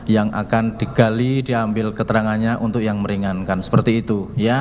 yang akan digali diambil keterangannya untuk yang meringankan seperti itu